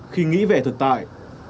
khi nghĩ về thực tại